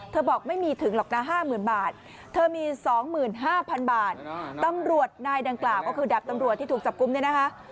บอกไม่มีถึงหรอกนะ๕๐๐๐บาทเธอมี๒๕๐๐๐บาทตำรวจนายดังกล่าวก็คือดาบตำรวจที่ถูกจับกุมเนี่ยนะคะ